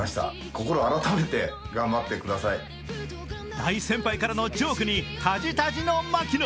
大先輩からのジョークにたじたじの槙野。